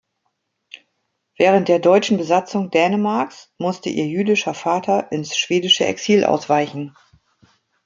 Während der deutschen Besatzung Dänemarks musste ihr jüdischer Vater ins schwedische Exil ausweichen.